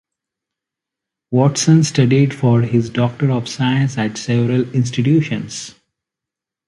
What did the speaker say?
Watson studied for his Doctor of Science at several institutions.